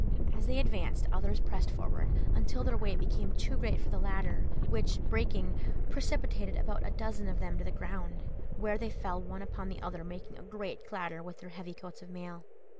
As they advanced, others pressed forward, until their weight became too great for the ladder, which, breaking, precipitated about a dozen of them to the ground, where they fell one upon the other, making a great clatter with their heavy coats of mail.